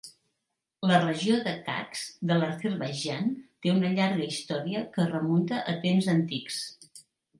La regió de Qax de l'Azerbaidjan té una llarga història que es remunta a temps antics.